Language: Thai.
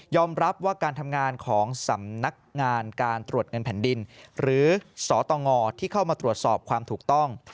รับว่าการทำงานของสำนักงานการตรวจเงินแผ่นดินหรือสตงที่เข้ามาตรวจสอบความถูกต้อง